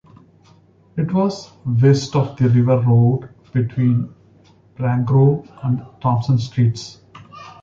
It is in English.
It was west of The River Road between Bransgrove and Tomson Streets.